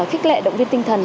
khích lệ động viên tinh thần